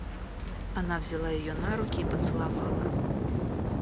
Она взяла ее на руки и поцеловала.